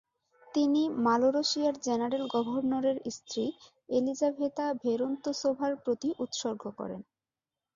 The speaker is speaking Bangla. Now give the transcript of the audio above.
তিনি মালোরোসিয়ার জেনারেল-গভর্নরের স্ত্রী এলিজাভেতা ভোরোন্তসোভার প্রতি উৎসর্গ করেন।